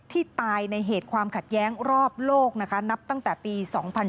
ที่ตายในเหตุความขัดแย้งรอบโลกนะคะนับตั้งแต่ปี๒๕๕๙